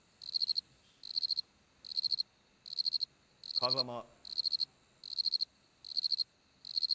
風間。